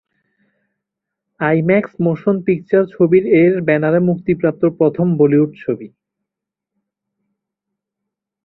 IMAX motion picture ছবির এর ব্যানারে প্রথম মুক্তিপ্রাপ্ত বলিউড ছবি।